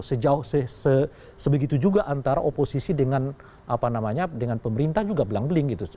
sejauh sebegitu juga antara oposisi dengan pemerintah juga belang beling gitu